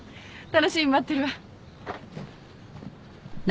楽しみに待ってるわ。